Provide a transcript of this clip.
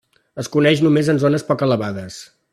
Es coneix només de zones poc elevades.